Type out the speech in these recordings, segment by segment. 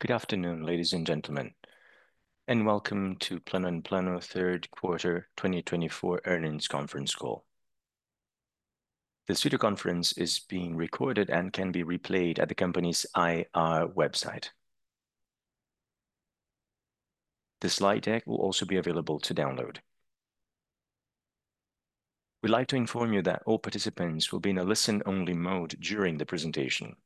Good afternoon, ladies and gentlemen, and welcome to Plano & Plano third quarter 2024 earnings conference call. This teleconference is being recorded and can be replayed at the company's IR website. The slide deck will also be available to download. We'd like to inform you that all participants will be in a listen-only mode during the presentation.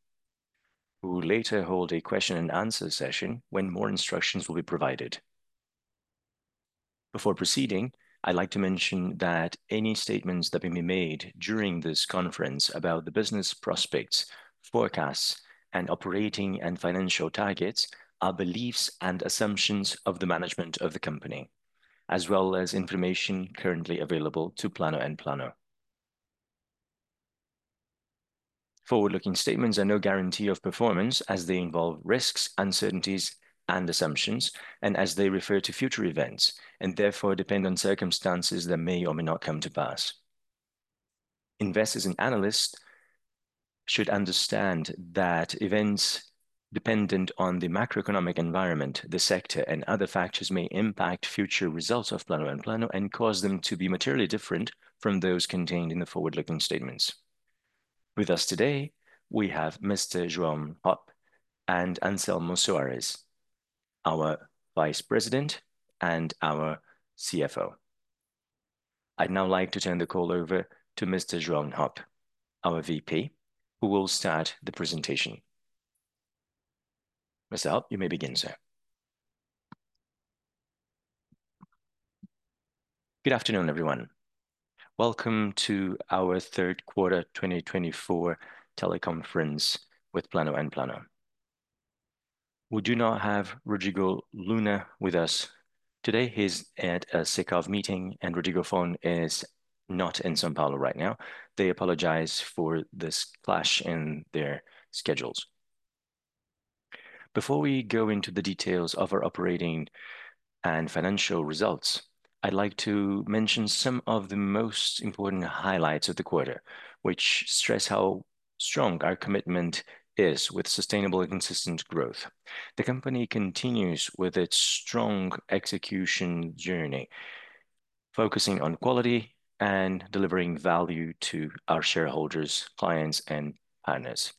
We will later hold a question and answer session when more instructions will be provided. Before proceeding, I'd like to mention that any statements that will be made during this conference about the business prospects, forecasts, and operating and financial targets are beliefs and assumptions of the management of the company, as well as information currently available to Plano & Plano. Forward-looking statements are no guarantee of performance as they involve risks, uncertainties, and assumptions, and as they refer to future events, and therefore depend on circumstances that may or may not come to pass. Investors and analysts should understand that events dependent on the macroeconomic environment, the sector, and other factors may impact future results of Plano & Plano and cause them to be materially different from those contained in the forward-looking statements. With us today, we have Mr. João Hopp and Anselmo Soares, our Vice President and our CFO. I'd now like to turn the call over to Mr. João Hopp, our VP, who will start the presentation. Mr. Hopp, you may begin, sir. Good afternoon, everyone. Welcome to our third quarter 2024 teleconference with Plano & Plano. We do not have Rodrigo Luna with us today. He's at a SICAV meeting, and Rodrigo von Uhlendorff is not in São Paulo right now. They apologize for this clash in their schedules. Before we go into the details of our operating and financial results, I'd like to mention some of the most important highlights of the quarter, which stress how strong our commitment is with sustainable and consistent growth. The company continues with its strong execution journey, focusing on quality and delivering value to our shareholders, clients, and partners.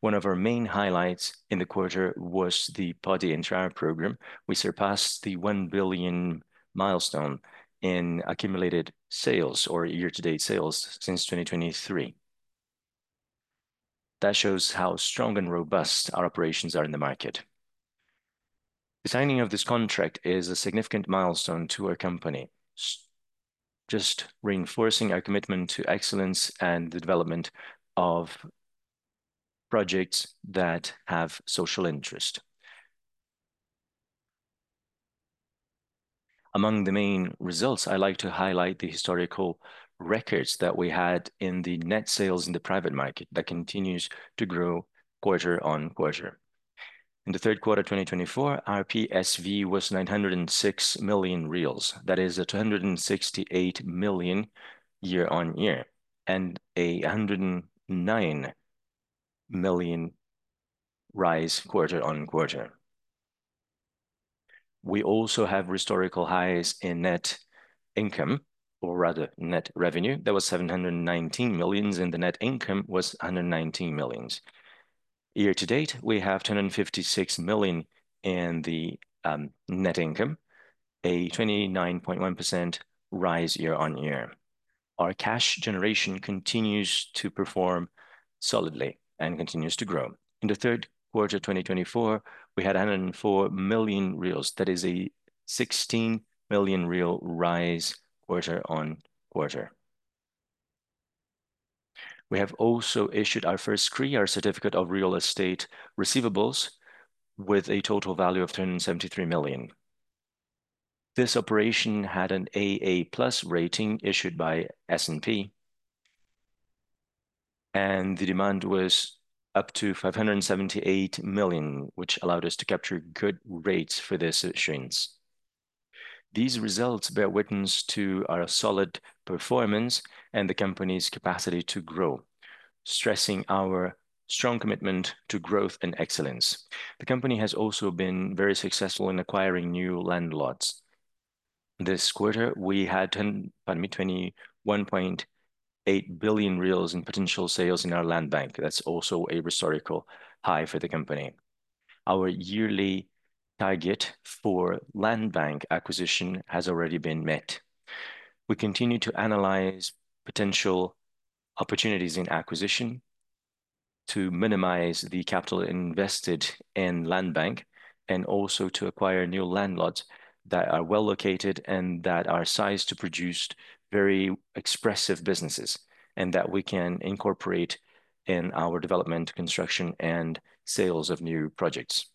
One of our main highlights in the quarter was the Pode Entrar program. We surpassed the 1 billion milestone in accumulated sales or year-to-date sales since 2023. That shows how strong and robust our operations are in the market. The signing of this contract is a significant milestone to our company, just reinforcing our commitment to excellence and the development of projects that have social interest. Among the main results, I like to highlight the historical records that we had in the net sales in the private market that continues to grow quarter-on-quarter. In the third quarter 2024, our PSV was 906 million reais. That is a 268 million year-on-year and a 109 million rise quarter-on-quarter. We also have historical highs in net income or rather net revenue. That was 719 million, and the net income was 119 million. Year-to-date, we have 256 million in the net income, a 29.1% rise year-on-year. Our cash generation continues to perform solidly and continues to grow. In the third quarter 2024, we had 104 million. That is a 16 million rise quarter-over-quarter. We have also issued our first CRI, our Certificate of Real Estate Receivables, with a total value of 273 million. This operation had an AA+ rating issued by S&P, and the demand was up to 578 million, which allowed us to capture good rates for these issuance. These results bear witness to our solid performance and the company's capacity to grow, stressing our strong commitment to growth and excellence. The company has also been very successful in acquiring new land lots. This quarter, we had 21.8 billion reals in potential sales in our land bank. That's also a historical high for the company. Our yearly target for land bank acquisition has already been met. We continue to analyze potential opportunities in acquisition to minimize the capital invested in land bank and also to acquire new land lots that are well-located and that are sized to produce very expressive businesses and that we can incorporate in our development, construction, and sales of new projects.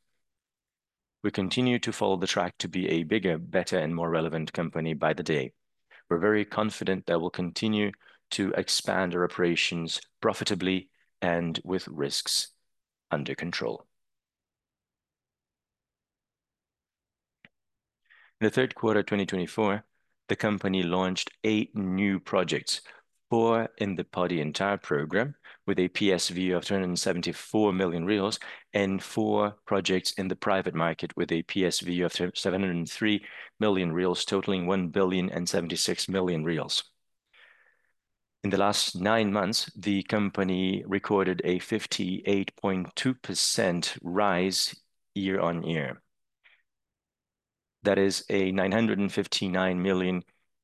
We continue to follow the track to be a bigger, better, and more relevant company by the day. We're very confident that we'll continue to expand our operations profitably and with risks under control. In the third quarter of 2024, the company launched eight new projects, four in the Pode Entrar program with a PSV of 274 million reais, and four projects in the private market with a PSV of 703 million reais, totaling 1,076 million reais. In the last nine months, the company recorded a 58.2% rise year-on-year. That is a 959 million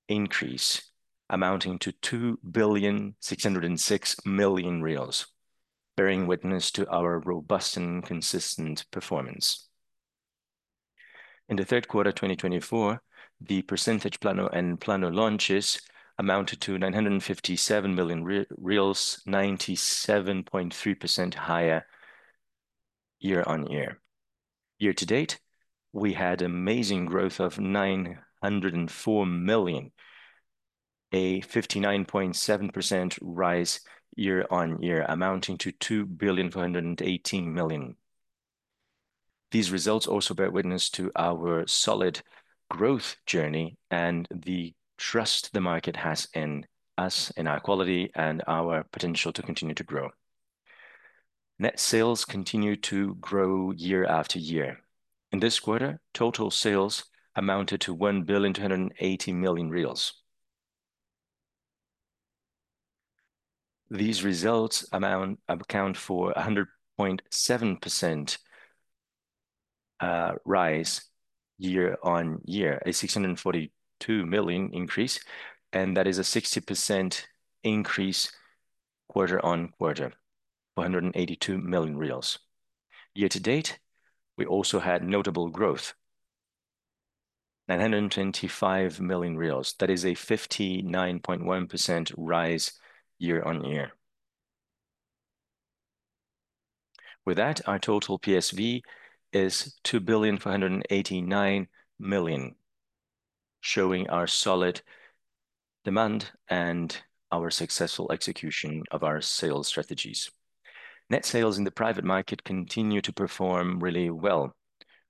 increase amounting to 2.606 billion, bearing witness to our robust and consistent performance. In the third quarter of 2024, the Plano & Plano launches amounted to 957 million, 97.3% higher year-on-year. Year to date, we had amazing growth of 904 million, a 59.7% rise year-on-year, amounting to 2.418 billion. These results also bear witness to our solid growth journey and the trust the market has in us, in our quality, and our potential to continue to grow. Net sales continue to grow year after year. In this quarter, total sales amounted to 1.28 billion. These results account for a 100.7% year-on-year rise, 642 million increase, and that is a 60% increase quarter-on-quarter, BRL 482 million. Year to date, we also had notable growth, 925 million reais. That is a 59.1% rise year-on-year. With that, our total PSV is 2.489 billion, showing our solid demand and our successful execution of our sales strategies. Net sales in the private market continue to perform really well,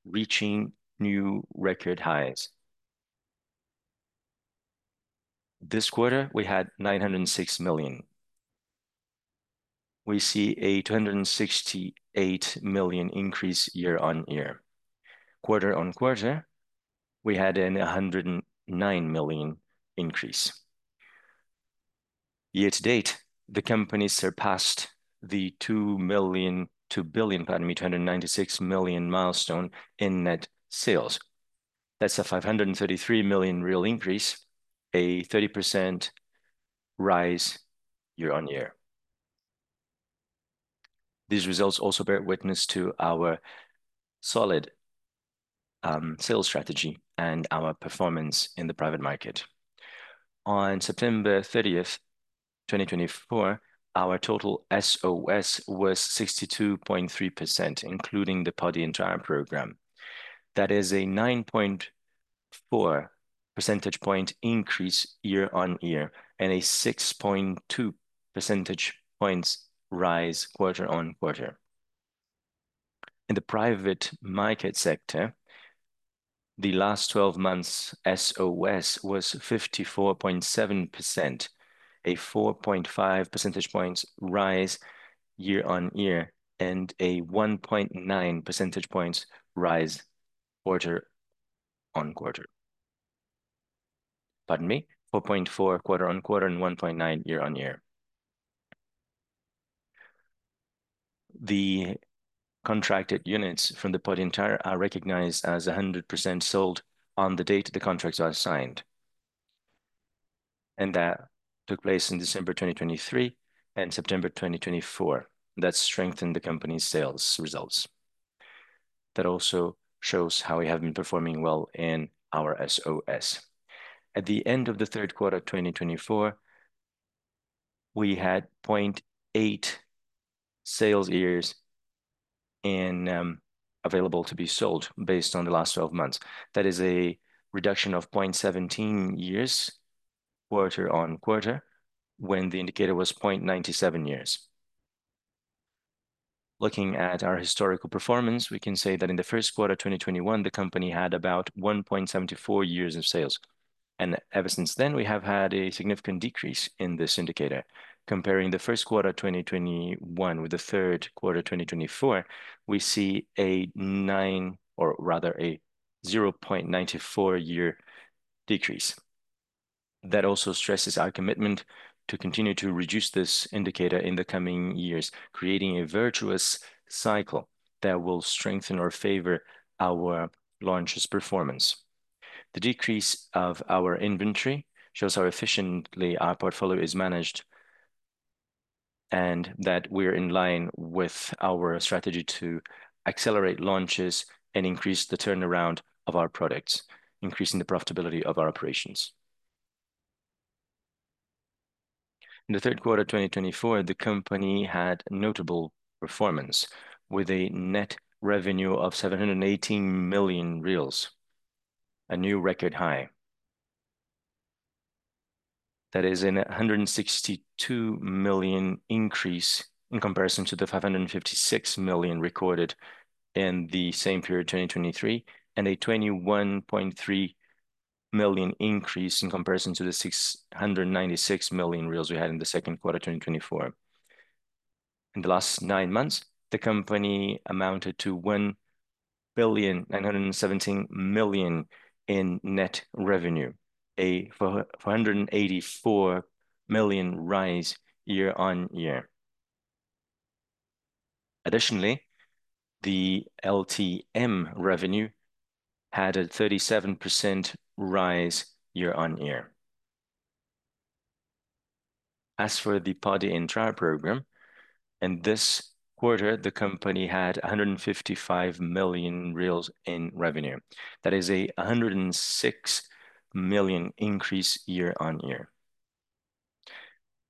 reaching new record highs. This quarter, we had 906 million. We see a 268 million increase year-on-year. Quarter-on-quarter, we had a 109 million increase. Year to date, the company surpassed the 2 million—2 billion, pardon me, 296 million milestone in net sales. That's a 533 million real increase, a 30% rise year-on-year. These results also bear witness to our solid sales strategy and our performance in the private market. On September 30th, 2024, our total SOS was 62.3%, including the Pode Entrar program. That is a 9.4 percentage point increase year-on-year and a 6.2 percentage points rise quarter-on-quarter. In the private market sector, the last twelve months SOS was 54.7%, a 4.5 percentage points rise year-on-year, and a 1.9 percentage points rise quarter-on-quarter. Pardon me, 4.4 quarter-on-quarter and 1.9 year-on-year. The contracted units from the Pode Entrar are recognized as 100% sold on the date the contracts are signed, and that took place in December 2023 and September 2024. That strengthened the company's sales results. That also shows how we have been performing well in our SOS. At the end of the third quarter of 2024, we had 0.8 years inventory available to be sold based on the last twelve months. That is a reduction of 0.17 years quarter-on-quarter when the indicator was 0.97 years. Looking at our historical performance, we can say that in the first quarter of 2021, the company had about 1.74 years of sales, and ever since then, we have had a significant decrease in this indicator. Comparing the first quarter of 2021 with the third quarter of 2024, we see a 0.94-year decrease. That also stresses our commitment to continue to reduce this indicator in the coming years, creating a virtuous cycle that will strengthen or favor our launches performance. The decrease of our inventory shows how efficiently our portfolio is managed and that we're in line with our strategy to accelerate launches and increase the turnaround of our products, increasing the profitability of our operations. In the third quarter of 2024, the company had notable performance with a net revenue of 718 million reais, a new record high. That is a 162 million increase in comparison to the 556 million recorded in the same period, 2023, and a 21.3 million increase in comparison to the 696 million reals we had in the second quarter 2024. In the last nine months, the company amounted to 1.917 billion in net revenue, a 484 million rise year-on-year. Additionally, the LTM revenue had a 37% rise year-on-year. As for the Pode Entrar program, in this quarter, the company had a 155 million reals in revenue. That is a 106 million increase year-on-year.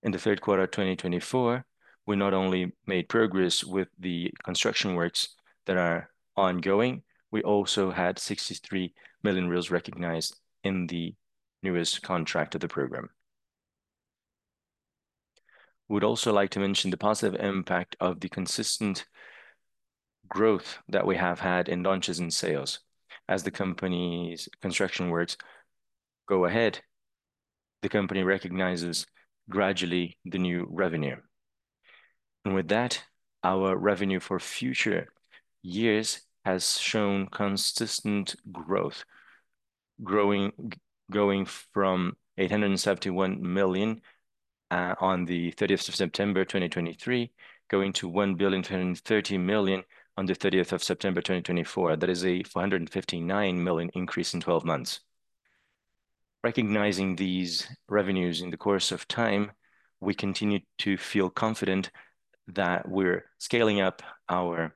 In the third quarter of 2024, we not only made progress with the construction works that are ongoing, we also had 63 million recognized in the newest contract of the program. We'd also like to mention the positive impact of the consistent growth that we have had in launches and sales. As the company's construction works go ahead, the company recognizes gradually the new revenue. With that, our revenue for future years has shown consistent growth, going from 871 million on the 30th of September 2023 to 1,230 million on the 30th of September 2024. That is a 459 million increase in 12 months. Recognizing these revenues in the course of time, we continue to feel confident that we're scaling up our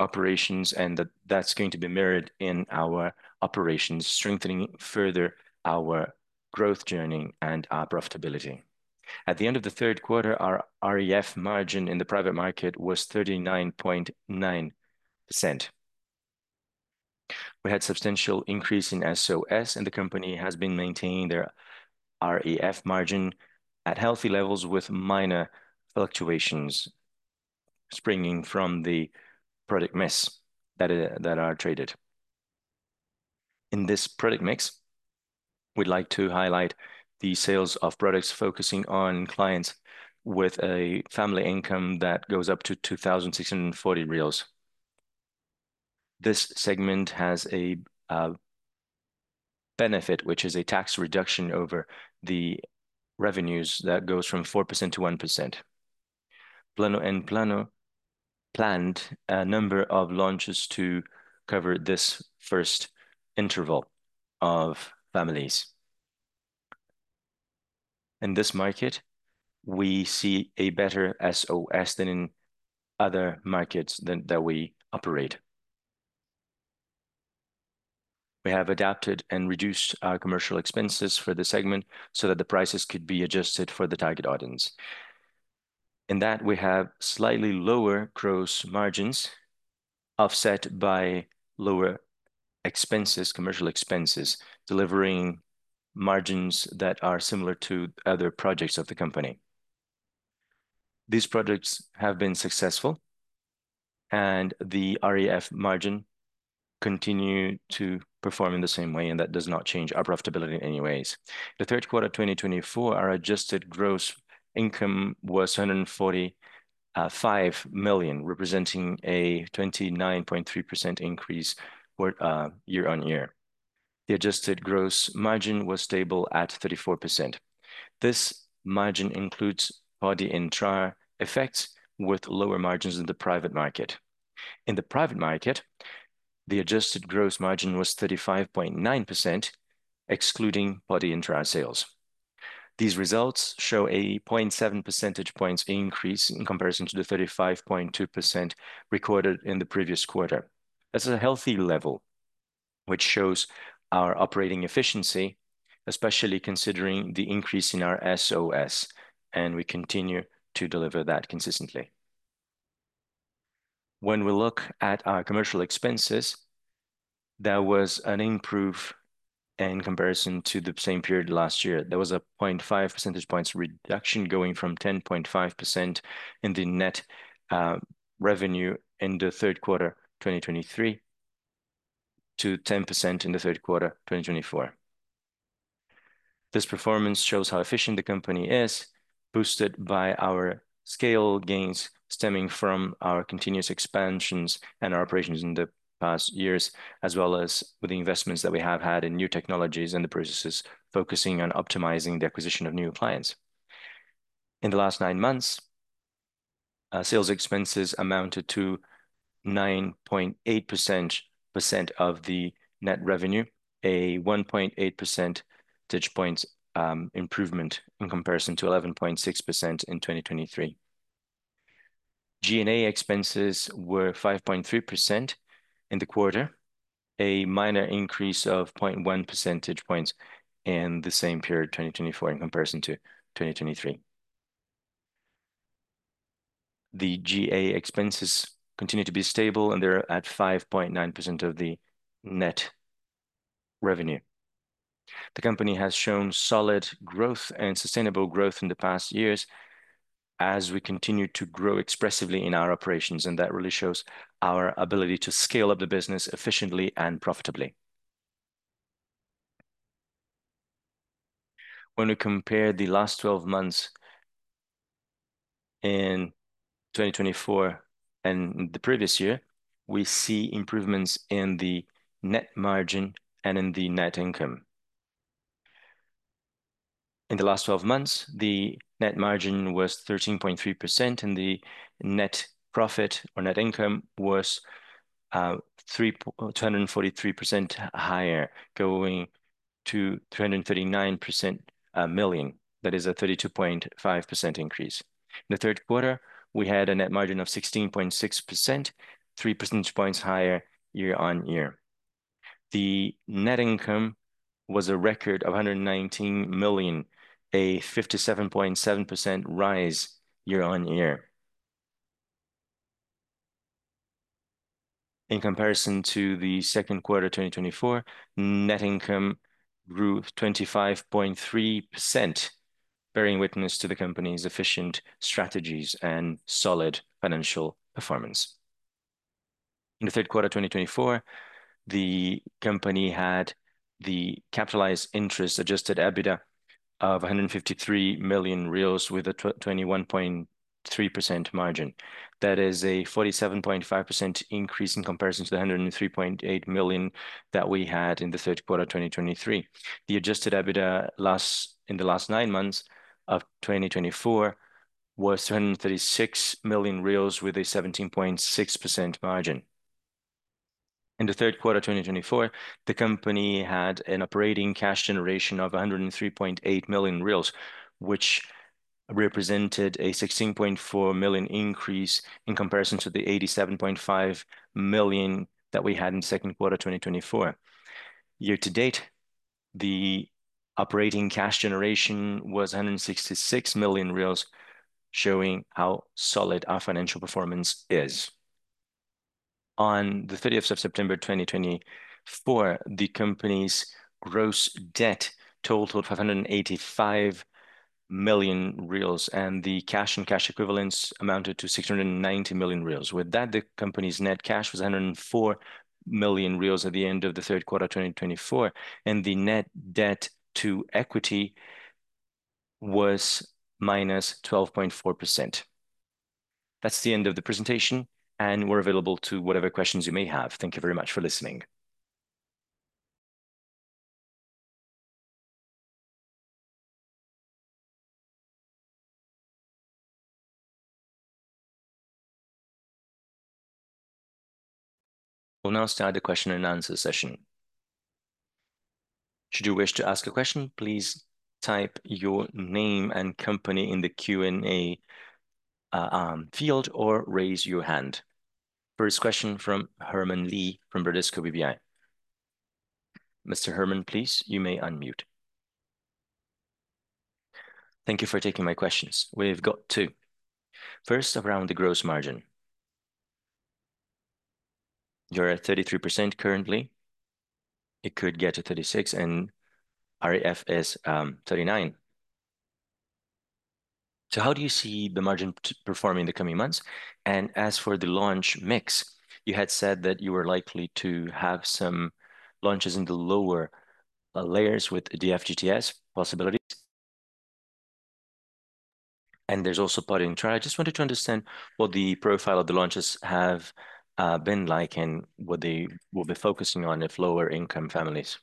operations and that that's going to be mirrored in our operations, strengthening further our growth journey and our profitability. At the end of the third quarter, our REF margin in the private market was 39.9%. We had substantial increase in SOS, and the company has been maintaining their REF margin at healthy levels with minor fluctuations springing from the product mix that are traded. In this product mix, we'd like to highlight the sales of products focusing on clients with a family income that goes up to 2,640 reais. This segment has a benefit, which is a tax reduction over the revenues that goes from 4% to 1%. Plano & Plano planned a number of launches to cover this first interval of families. In this market, we see a better SOS than in other markets that we operate. We have adapted and reduced our commercial expenses for the segment so that the prices could be adjusted for the target audience. In that, we have slightly lower gross margins offset by lower expenses, commercial expenses, delivering margins that are similar to other projects of the company. These projects have been successful, and the REF margin continue to perform in the same way, and that does not change our profitability in any ways. The third quarter 2024, our adjusted gross income was 145 million, representing a 29.3% increase year-on-year. The adjusted gross margin was stable at 34%. This margin includes Pode Entrar effects with lower margins in the private market. In the private market, the adjusted gross margin was 35.9% excluding Pode Entrar sales. These results show a 0.7 percentage points increase in comparison to the 35.2% recorded in the previous quarter. That's a healthy level which shows our operating efficiency, especially considering the increase in our SOS, and we continue to deliver that consistently. When we look at our commercial expenses, there was an improvement in comparison to the same period last year. There was a 0.5 percentage points reduction going from 10.5% in the net revenue in the third quarter 2023 to 10% in the third quarter 2024. This performance shows how efficient the company is, boosted by our scale gains stemming from our continuous expansions and our operations in the past years, as well as with the investments that we have had in new technologies and the processes focusing on optimizing the acquisition of new clients. In the last nine months, sales expenses amounted to 9.8% of the net revenue, a 1.8 percentage points improvement in comparison to 11.6% in 2023. G&A expenses were 5.3% in the quarter, a minor increase of 0.1 percentage points in the same period, 2024, in comparison to 2023. The G&A expenses continue to be stable, and they're at 5.9% of the net revenue. The company has shown solid growth and sustainable growth in the past years as we continue to grow expressively in our operations, and that really shows our ability to scale up the business efficiently and profitably. When we compare the last 12 months in 2024 and the previous year, we see improvements in the net margin and in the net income. In the last 12 months, the net margin was 13.3%, and the net profit or net income was two hundred and forty-three percent higher, going to 339 million. That is a 32.5% increase. In the third quarter, we had a net margin of 16.6%, three percentage points higher year-on-year. The net income was a record of 119 million, a 57.7% rise year-on-year. In comparison to the second quarter 2024, net income grew 25.3%, bearing witness to the company's efficient strategies and solid financial performance. In the third quarter 2024, the company had the capitalized interest adjusted EBITDA of 153 million reais with a 21.3% margin. That is a 47.5% increase in comparison to the 103.8 million that we had in the third quarter 2023. The adjusted EBITDA in the last nine months of 2024 was 236 million with a 17.6% margin. In the third quarter 2024, the company had an operating cash generation of 103.8 million reais, which represented a 16.4 million increase in comparison to the 87.5 million that we had in second quarter 2024. Year to date, the operating cash generation was 166 million reais, showing how solid our financial performance is. On the thirtieth of September 2024, the company's gross debt totaled 585 million reais, and the cash and cash equivalents amounted to 690 million reais. With that, the company's net cash was 104 million reais at the end of the third quarter 2024, and the net debt to equity was -12.4%. That's the end of the presentation, and we're available to whatever questions you may have. Thank you very much for listening. We'll now start the question and answer session. Should you wish to ask a question, please type your name and company in the Q&A field or raise your hand. First question from Herman Lee from Bradesco BBI. Mr. Herman, please, you may unmute. Thank you for taking my questions. We've got two. First, around the gross margin. You're at 33% currently. It could get to 36%, and RFS, 39%. So how do you see the margins performing in the coming months? And as for the launch mix, you had said that you were likely to have some launches in the lower layers with the FGTS possibilities. And there's also, I just wanted to understand what the profile of the launches have been like and what they will be focusing on if lower income families.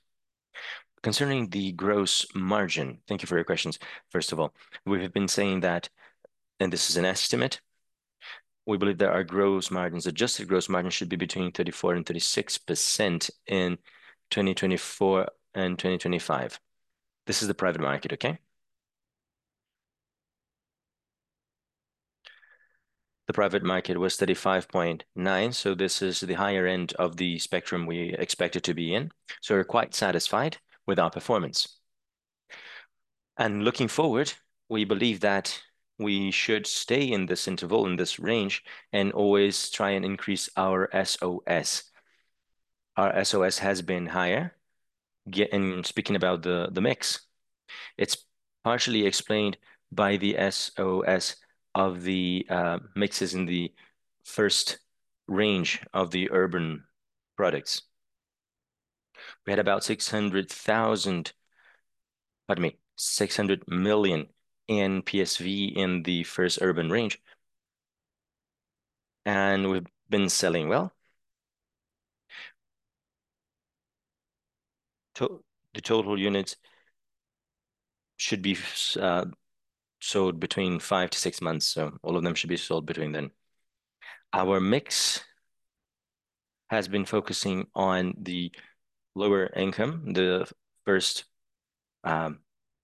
Concerning the gross margin. Thank you for your questions, first of all. We have been saying that, and this is an estimate, we believe there are gross margins. Adjusted gross margin should be between 34% and 36% in 2024 and 2025. This is the private market, okay? The private market was 35.9%, so this is the higher end of the spectrum we expect it to be in, so we're quite satisfied with our performance. Looking forward, we believe that we should stay in this interval, in this range, and always try and increase our SOS. Our SOS has been higher. And speaking about the mix, it's partially explained by the SOS of the mixes in the first range of the urban products. We had about 600 million in PSV in the first urban range, and we've been selling well. The total units should be sold between five-six months, so all of them should be sold between then. Our mix has been focusing on the lower income, the first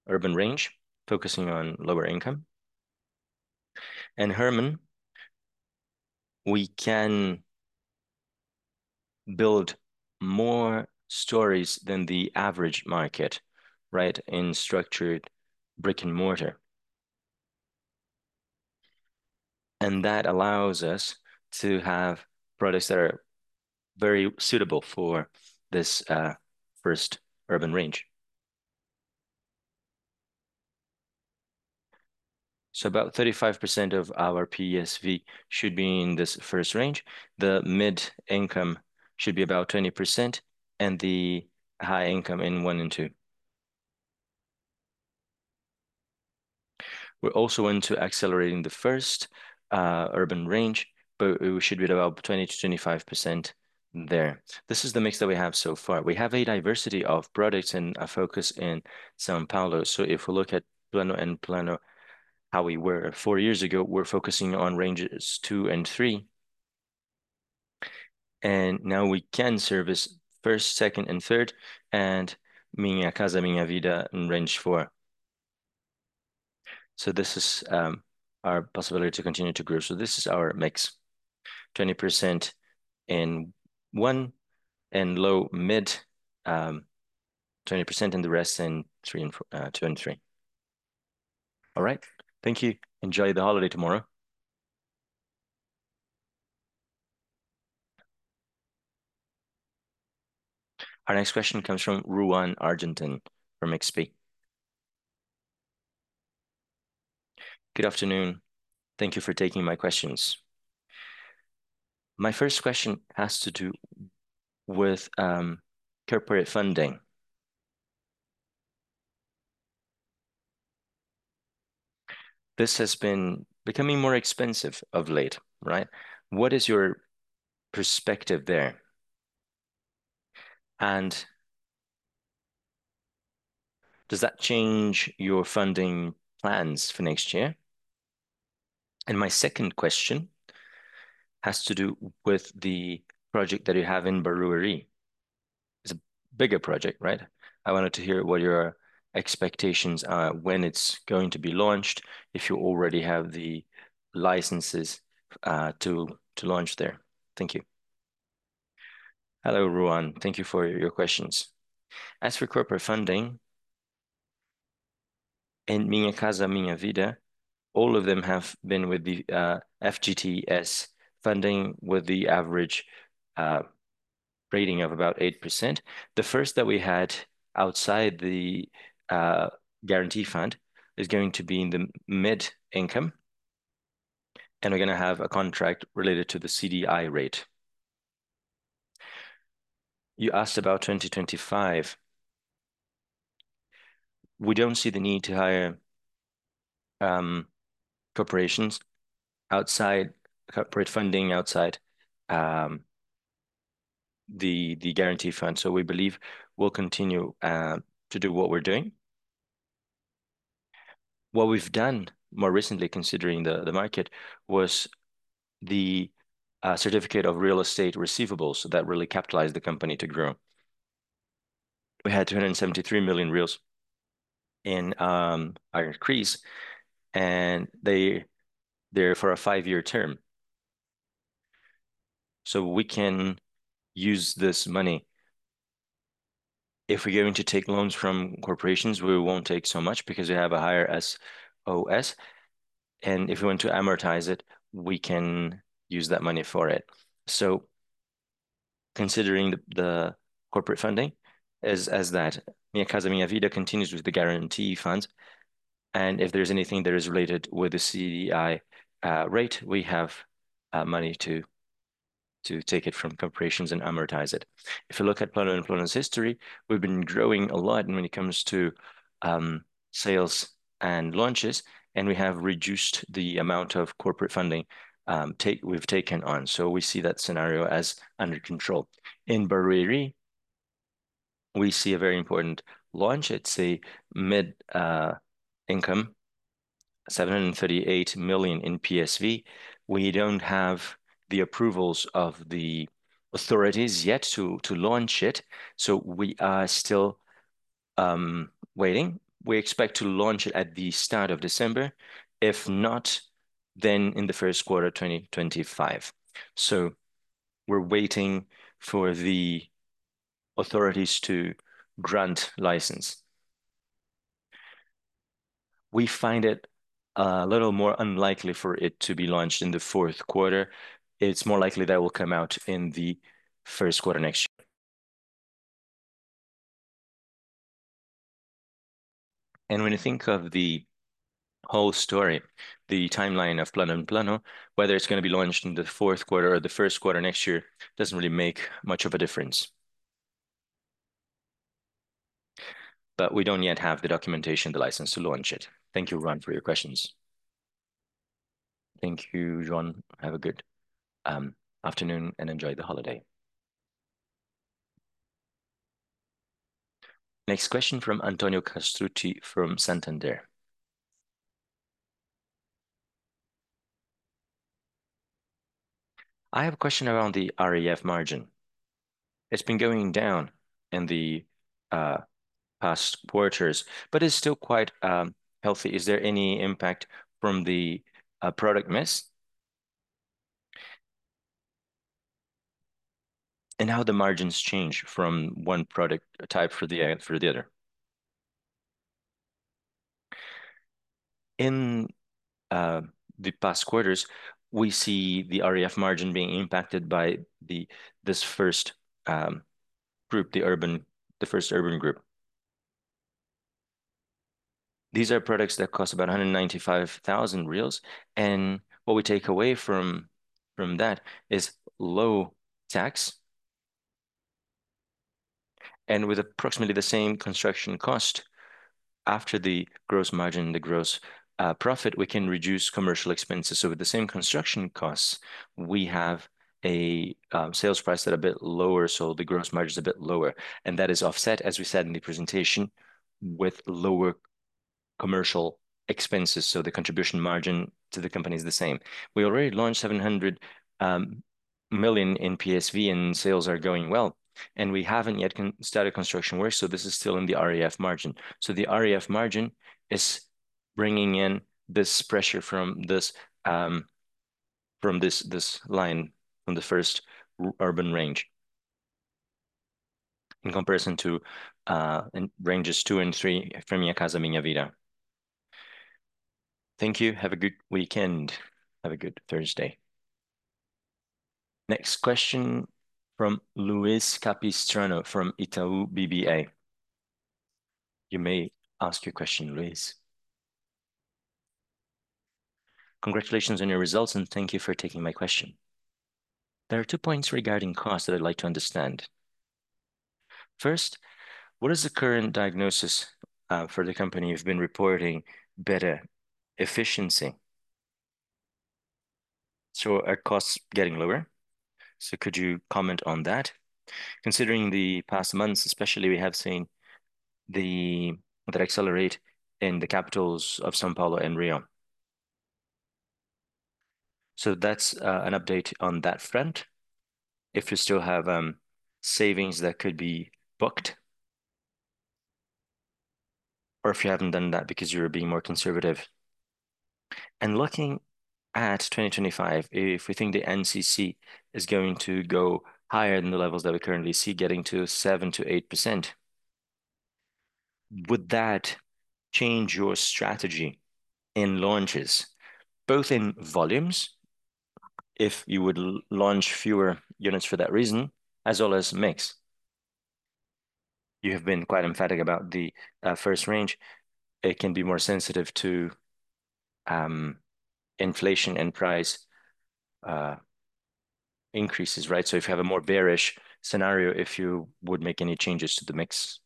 urban range focusing on lower income. Herman, we can build more stories than the average market, right, in structured brick-and-mortar. That allows us to have products that are very suitable for this first urban range. About 35% of our PSV should be in this first range. The mid income should be about 20%, and the high income in one and two. We're also into accelerating the first urban range, but we should be at about 20%-25% there. This is the mix that we have so far. We have a diversity of products and a focus in São Paulo. If we look at Plano & Plano, how we were 4 years ago, we're focusing on ranges two and three. Now we can service first, second, and third, and Minha Casa, Minha Vida in range four. This is our possibility to continue to grow. This is our mix, 20% in one and low mid, 20% in the rest, and three and two and three. All right. Thank you. Enjoy the holiday tomorrow. Our next question comes from Ruan Argenton from XP. Good afternoon. Thank you for taking my questions. My first question has to do with corporate funding. This has been becoming more expensive of late, right? What is your perspective there? Does that change your funding plans for next year? My second question has to do with the project that you have in Barueri. It's a bigger project, right? I wanted to hear what your expectations are when it's going to be launched, if you already have the licenses to launch there. Thank you. Hello, Ruan. Thank you for your questions. As for corporate funding in Minha Casa, Minha Vida, all of them have been with the FGTS funding with the average rating of about 8%. The first that we had outside the guarantee fund is going to be in the mid income, and we're gonna have a contract related to the CDI rate. You asked about 2025. We don't see the need to hire corporate funding outside the guarantee fund. We believe we'll continue to do what we're doing. What we've done more recently, considering the market, was the certificate of real estate receivables that really capitalized the company to grow. We had 273 million in our issuance, and they're for a five-year term. We can use this money. If we're going to take loans from corporations, we won't take so much because we have a higher SOS, and if we want to amortize it, we can use that money for it. Considering the corporate funding as that, Minha Casa, Minha Vida continues with the guarantee funds, and if there's anything that is related with the CDI rate, we have money to take it from corporations and amortize it. If you look at Plano & Plano's history, we've been growing a lot when it comes to sales and launches, and we have reduced the amount of corporate funding we've taken on. We see that scenario as under control. In Barueri, we see a very important launch. It's a mid income 738 million in PSV. We don't have the approvals of the authorities yet to launch it, so we are still waiting. We expect to launch it at the start of December. If not, then in the first quarter of 2025. We're waiting for the authorities to grant license. We find it a little more unlikely for it to be launched in the fourth quarter. It's more likely that it will come out in the first quarter next year. When you think of the whole story, the timeline of Plano & Plano, whether it's gonna be launched in the fourth quarter or the first quarter next year doesn't really make much of a difference. We don't yet have the documentation, the license to launch it. Thank you, Ruan, for your questions. Thank you, Ruan. Have a good afternoon, and enjoy the holiday. Next question from Antonio Castrucci from Santander. I have a question around the REF margin. It's been going down in the past quarters. It's still quite healthy. Is there any impact from the product mix? How the margins change from one product type for the other. In the past quarters, we see the REF margin being impacted by this first group, the first urban group. These are products that cost about 195,000 reais and what we take away from that is low tax. With approximately the same construction cost after the gross margin, the gross profit, we can reduce commercial expenses. With the same construction costs, we have a sales price that are a bit lower, so the gross margin's a bit lower. That is offset, as we said in the presentation, with lower commercial expenses, so the contribution margin to the company is the same. We already launched 700 million in PSV, and sales are going well, and we haven't yet started construction work, so this is still in the REF margin. The REF margin is bringing in this pressure from this line on the first urban range in comparison to ranges two and three from Minha Casa, Minha Vida. Thank you. Have a good weekend. Have a good Thursday. Next question from Luiz Capistrano from Itaú BBA. You may ask your question, Luiz. Congratulations on your results, and thank you for taking my question. There are two points regarding costs that I'd like to understand. First, what is the current diagnosis for the company? You've been reporting better efficiency. Are costs getting lower? Could you comment on that? Considering the past months especially, we have seen the INCC accelerate in the capitals of São Paulo and Rio. That's an update on that front. If you still have savings that could be booked. If you haven't done that because you're being more conservative. Looking at 2025, if we think the INCC is going to go higher than the levels that we currently see, getting to 7%-8%, would that change your strategy in launches, both in volumes, if you would launch fewer units for that reason, as well as mix? You have been quite emphatic about the first range. It can be more sensitive to inflation and price increases, right? If you have a more bearish scenario, if you would make any changes to the mix.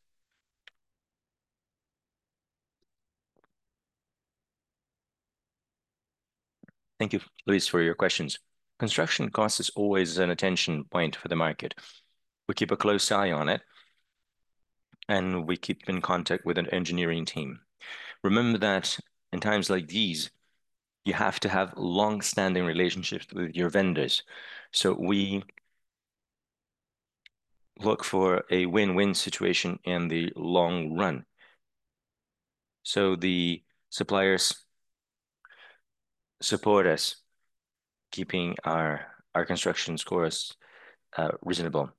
Thank you, Luiz, for your questions. Construction cost is always an attention point for the market. We keep a close eye on it, and we keep in contact with an engineering team. Remember that in times like these, you have to have longstanding relationships with your vendors. We look for a win-win situation in the long run. The suppliers support us, keeping our construction costs reasonable.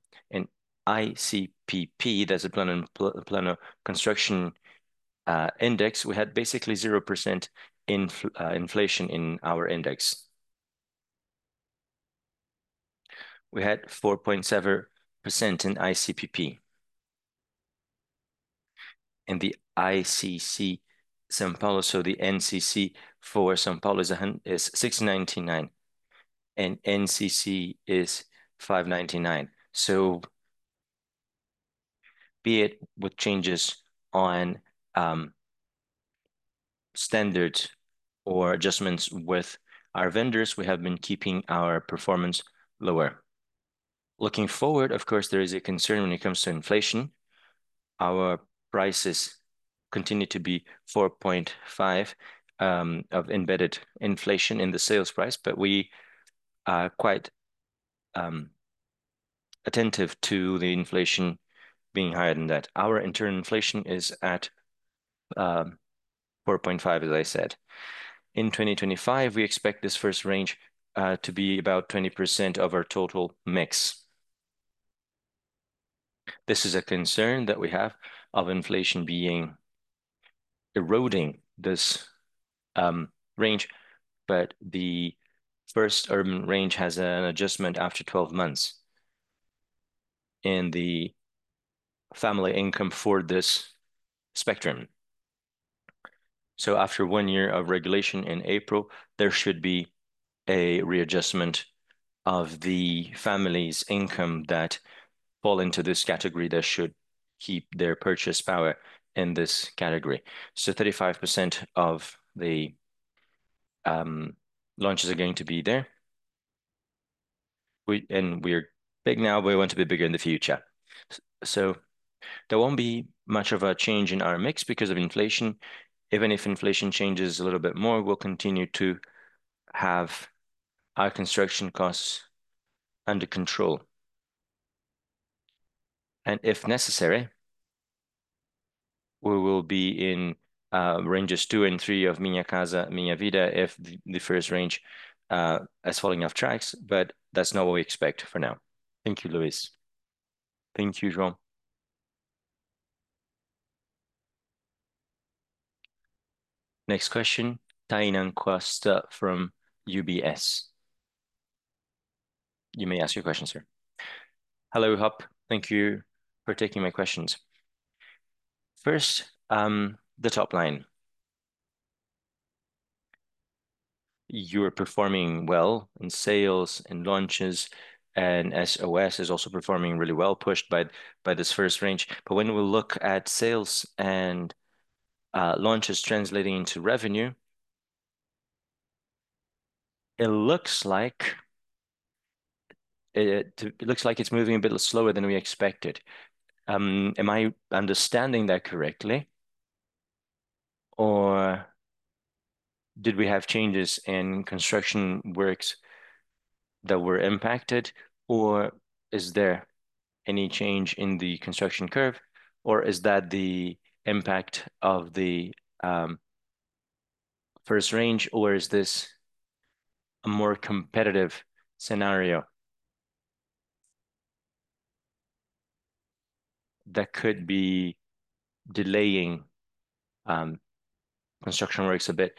ICPP, that's a Plano construction index, we had basically 0% inflation in our index. We had 4.7% in ICPP. The INCC São Paulo, the INCC for São Paulo is 6.99%, and INCC is 5.99%. Be it with changes in standards or adjustments with our vendors, we have been keeping our performance lower. Looking forward, of course, there is a concern when it comes to inflation. Our prices continue to be 4.5% of embedded inflation in the sales price, but we are quite attentive to the inflation being higher than that. Our internal inflation is at 4.5%, as I said. In 2025, we expect this first range to be about 20% of our total mix. This is a concern that we have of inflation eroding this range. The first urban range has an adjustment after 12 months in the family income for this spectrum. After one year of regulation in April, there should be a readjustment of the family's income that fall into this category that should keep their purchase power in this category. 35% of the launches are going to be there. We're big now, but we want to be bigger in the future. There won't be much of a change in our mix because of inflation. Even if inflation changes a little bit more, we'll continue to have our construction costs under control. If necessary, we will be in ranges two and three of Minha Casa, Minha Vida if the first range is falling off tracks. That's not what we expect for now. Thank you, Luis. Thank you, John. Next question, Tainan Costa from UBS. You may ask your question, sir Hello, Hub. Thank you for taking my questions. First, the top line. You are performing well in sales and launches, and SOS is also performing really well pushed by this first range. When we look at sales and launches translating into revenue, it looks like it's moving a bit slower than we expected. Am I understanding that correctly? Or did we have changes in construction works that were impacted? Is there any change in the construction curve, or is that the impact of the first range, or is this a more competitive scenario that could be delaying construction works a bit?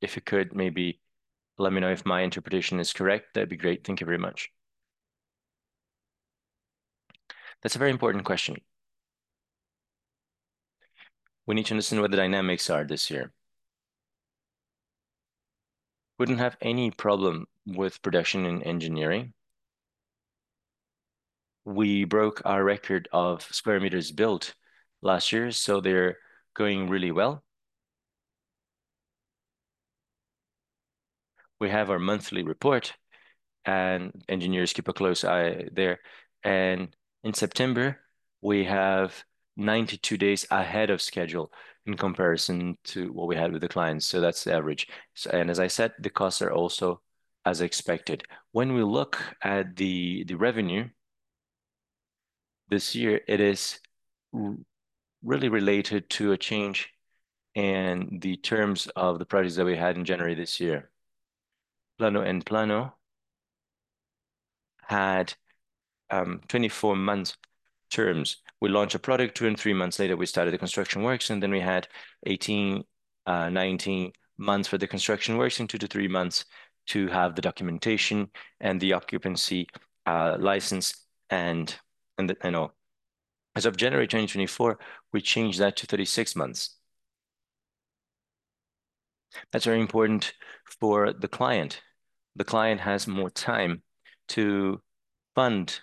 If you could maybe let me know if my interpretation is correct, that'd be great. Thank you very much. That's a very important question. We need to understand what the dynamics are this year. Wouldn't have any problem with production and engineering. We broke our record of square meters built last year, so they're going really well. We have our monthly report, and engineers keep a close eye there. In September, we have 92 days ahead of schedule in comparison to what we had with the clients. So that's the average. As I said, the costs are also as expected. When we look at the revenue this year, it is really related to a change in the terms of the projects that we had in January this year. Plano & Plano had 24-month terms. We launched a product, two to three months later, we started the construction works, and then we had 18-19 months for the construction works and two to three to have the documentation and the occupancy license and the Habite-se. As of January 2024, we changed that to 36 months. That's very important for the client. The client has more time to fund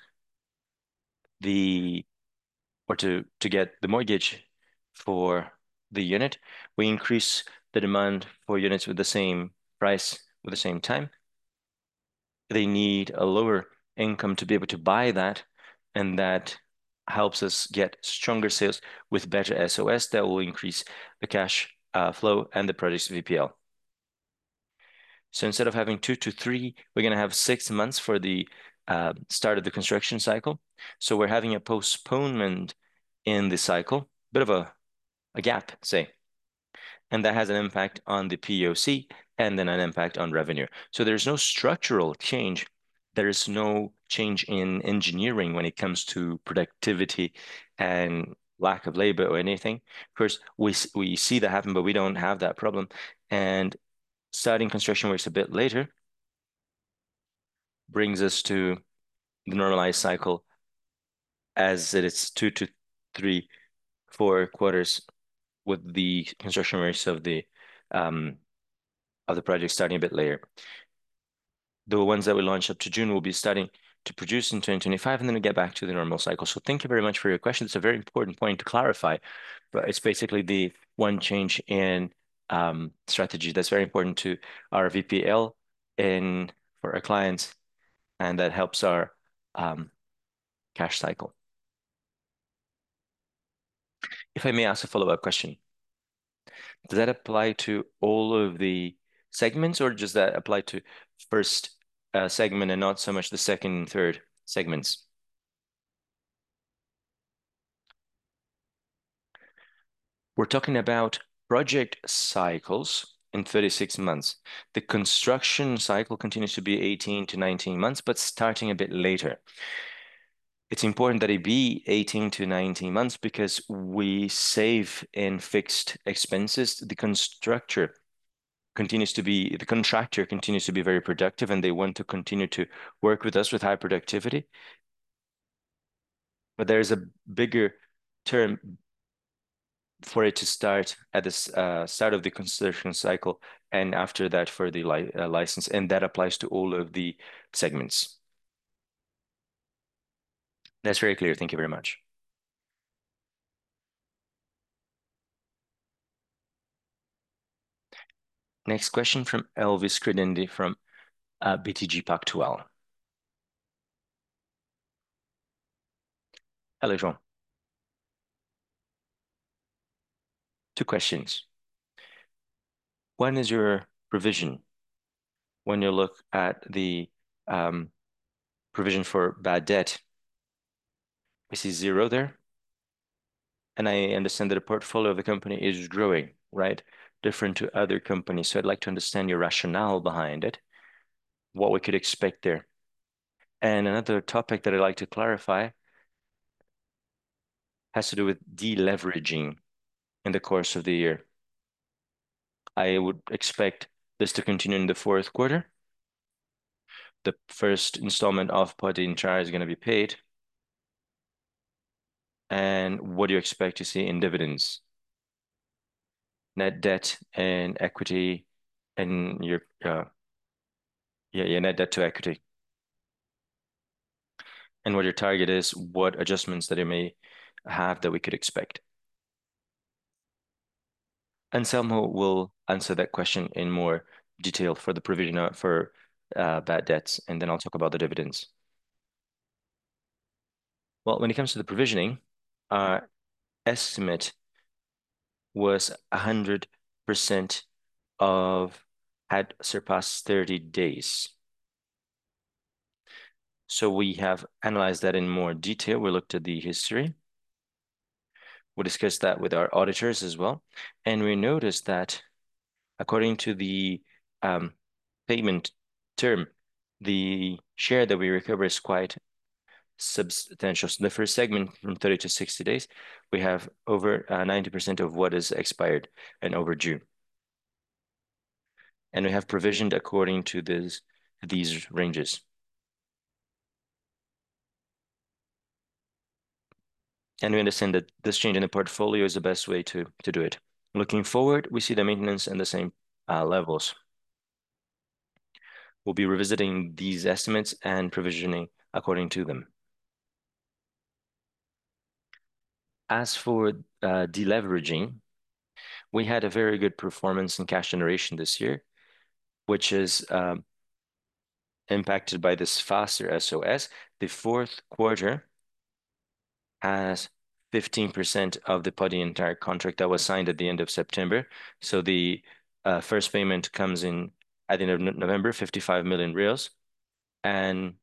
or to get the mortgage for the unit. We increase the demand for units with the same price with the same time. They need a lower income to be able to buy that, and that helps us get stronger sales with better SOS that will increase the cash flow and the project's VPL. Instead of having two to three, we're gonna have six months for the start of the construction cycle. We're having a postponement in the cycle, a bit of a gap, say, and that has an impact on the POC and then an impact on revenue. There's no structural change. There is no change in engineering when it comes to productivity and lack of labor or anything. Of course, we see that happen, but we don't have that problem. Starting construction works a bit later brings us to the normalized cycle as it is 2-4 quarters with the construction rates of the project starting a bit later. The ones that we launch up to June will be starting to produce in 2025, and then we get back to the normal cycle. Thank you very much for your question. It's a very important point to clarify, but it's basically the one change in strategy that's very important to our VPL and for our clients, and that helps our cash cycle. If I may ask a follow-up question. Does that apply to all of the segments, or does that apply to first segment and not so much the second and third segments? We're talking about project cycles in 36 months. The construction cycle continues to be 18-19 months but starting a bit later. It's important that it be 18-19 months because we save in fixed expenses. The contractor continues to be very productive, and they want to continue to work with us with high productivity. There is a bigger term for it to start at this start of the construction cycle and after that for the license, and that applies to all of the segments. That's very clear. Thank you very much. Next question from Elvis Credendio from BTG Pactual. Hello, João. Two questions. One is your provision. When you look at the provision for bad debt, we see zero there, and I understand that a portfolio of the company is growing, right? Different to other companies. I'd like to understand your rationale behind it, what we could expect there. Another topic that I'd like to clarify has to do with de-leveraging in the course of the year. I would expect this to continue in the fourth quarter. The first installment of put in char is gonna be paid, and what do you expect to see in dividends? Net debt and equity in your net debt to equity, and what your target is, what adjustments that it may have that we could expect. Anselmo Soares will answer that question in more detail for the provision for bad debts, and then I'll talk about the dividends. When it comes to the provisioning, our estimate was 100% of those that had surpassed 30 days. We have analyzed that in more detail. We looked at the history. We discussed that with our auditors as well, and we noticed that according to the payment term, the share that we recover is quite substantial. In the first segment from 30-60 days, we have over 90% of what is expired and overdue, and we have provisioned according to these ranges. We understand that this change in the portfolio is the best way to do it. Looking forward, we see the maintenance in the same levels. We'll be revisiting these estimates and provisioning according to them. As for de-leveraging, we had a very good performance in cash generation this year, which is impacted by this faster SOS. The fourth quarter has 15% of the total contract that was signed at the end of September, so the first payment comes in at the end of November, 55 million, and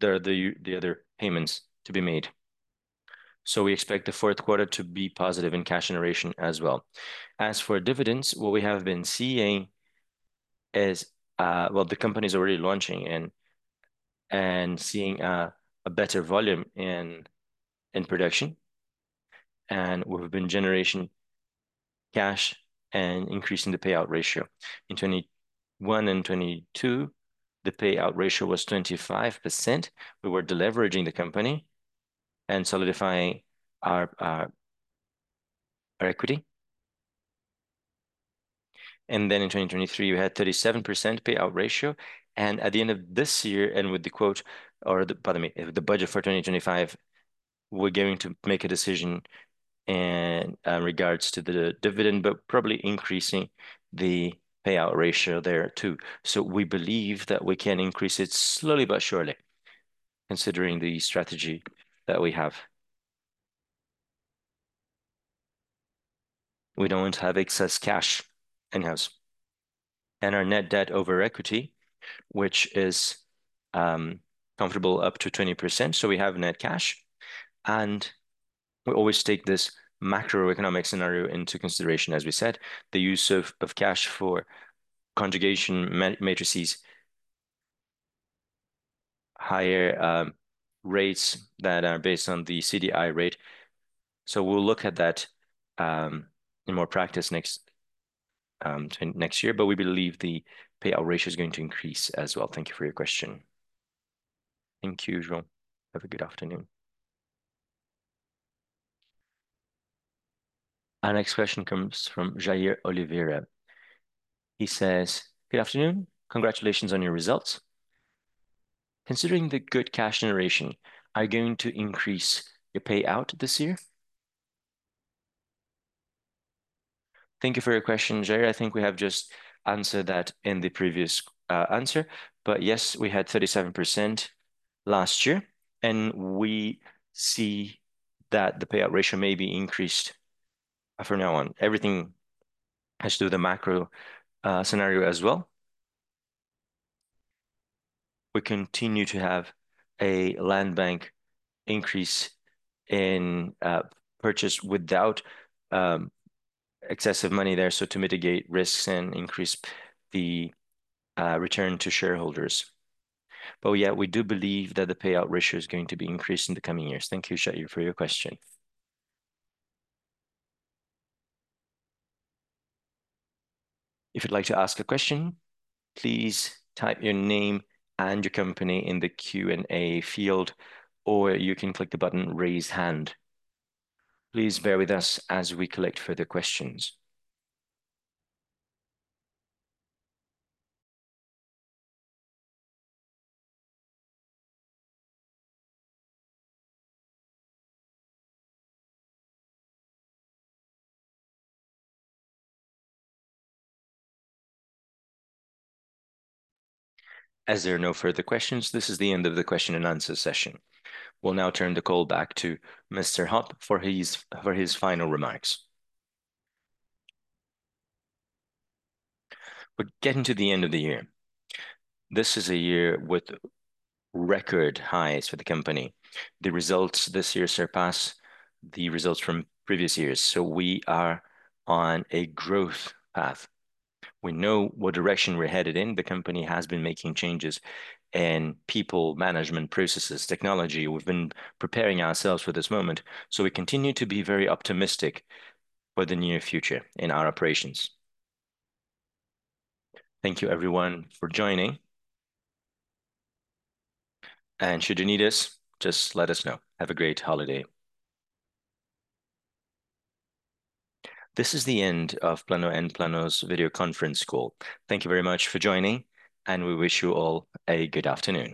there are the other payments to be made. We expect the fourth quarter to be positive in cash generation as well. As for dividends, what we have been seeing is. Well, the company is already launching and seeing a better volume in production. We've been generating cash and increasing the payout ratio. In 2021 and 2022, the payout ratio was 25%. We were de-leveraging the company and solidifying our equity. In 2023, we had 37% payout ratio, and at the end of this year, and with the quote or the. Pardon me. The budget for 2025, we're going to make a decision in regards to the dividend, but probably increasing the payout ratio there too. We believe that we can increase it slowly but surely considering the strategy that we have. We don't have excess cash in-house. Our net debt over equity, which is comfortable up to 20%, so we have net cash, and we always take this macroeconomic scenario into consideration as we said. The use of cash for acquisitions, maturities, higher rates that are based on the CDI rate. We'll look at that in more detail next year, but we believe the payout ratio is going to increase as well. Thank you for your question. Thank you, João. Have a good afternoon. Our next question comes from Jair Oliveira. He says, "Good afternoon. Congratulations on your results. Considering the good cash generation, are you going to increase your payout this year? Thank you for your question, Jair Oliveira. I think we have just answered that in the previous answer. Yes, we had 37% last year, and we see that the payout ratio may be increased from now on. Everything has to do with the macro scenario as well. We continue to have a land bank increase in purchase without excessive money there, so to mitigate risks and increase the return to shareholders. Yeah, we do believe that the payout ratio is going to be increased in the coming years. Thank you, Jair Oliveira, for your question. If you'd like to ask a question, please type your name and your company in the Q&A field, or you can click the button Raise Hand. Please bear with us as we collect further questions. As there are no further questions, this is the end of the question and answer session. We'll now turn the call back to Mr. Hopp for his final remarks. We're getting to the end of the year. This is a year with record highs for the company. The results this year surpass the results from previous years, so we are on a growth path. We know what direction we're headed in. The company has been making changes in people, management, processes, technology. We've been preparing ourselves for this moment, so we continue to be very optimistic for the near future in our operations. Thank you, everyone, for joining. Should you need us, just let us know. Have a great holiday. This is the end of Plano & Plano's video conference call. Thank you very much for joining, and we wish you all a good afternoon.